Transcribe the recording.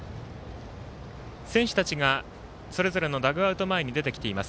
選手たちが、それぞれのダグアウト前に出てきています。